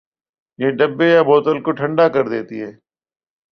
یہ ڈبے یا بوتل کو ٹھنڈا کردیتی ہے۔